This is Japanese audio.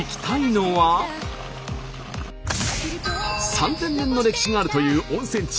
三千年の歴史があるという温泉地